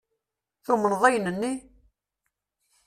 Tumned ayen-nni?